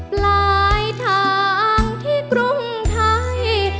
หลายทางที่กรุงไทย